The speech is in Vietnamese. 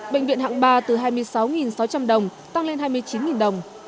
bệnh viện hạng ba từ hai mươi sáu sáu trăm linh đồng tăng lên hai mươi chín đồng